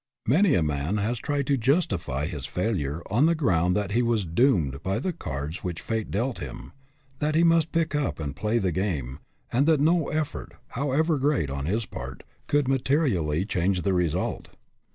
Many a man has tried to justify his failure on the ground that he was doomed by the cards which fate dealt him, that he must pick them up and play the game, and that no effort, however great, on his part, could materially change the result.